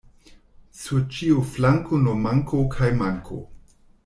Sur ĉiu flanko nur manko kaj manko.